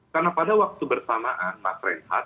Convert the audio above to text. karena pada waktu bersamaan pak renhat